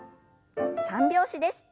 三拍子です。